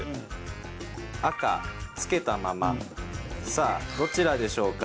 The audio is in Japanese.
さあ、どちらでしょうか？